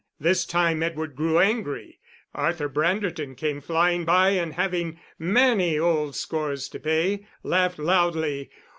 This time Edward grew angry. Arthur Branderton came flying by, and having many old scores to pay, laughed loudly.